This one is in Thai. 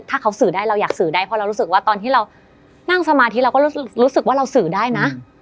ถ้าเขาสื่อได้เราอยากสื่อได้เพราะเรารู้สึกว่าตอนที่เรานั่งสมาธิเราก็รู้สึกว่าเราสื่อได้นะ